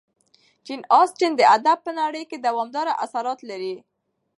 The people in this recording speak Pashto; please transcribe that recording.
جین اسټن د ادب په نړۍ کې دوامداره اثرات لري.